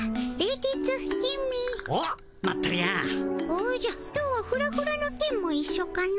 おじゃ今日はフラフラのケンもいっしょかの？